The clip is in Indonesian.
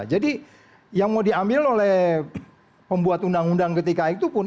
jadi yang mau diambil oleh pembuat undang undang ketika itu pun